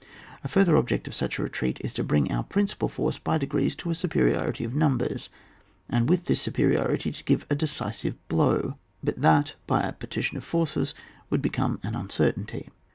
A further object of such a retreat, is to bring our principal force by degrees to a superiority of numbers, and with this superiority to g^ve a decisive blow, but that by a partition of forces would become an uncertainty.